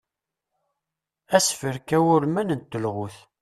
Asefrek awurman n telɣut.